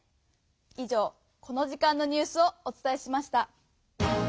い上このじかんのニュースをおつたえしました。